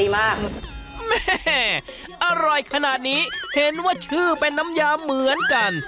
แม่อร่อยขนาดนี้เห็นว่าชื่อเป็นน้ำยาเหมือนกัน